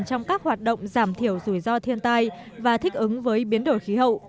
trong các hoạt động giảm thiểu rủi ro thiên tai và thích ứng với biến đổi khí hậu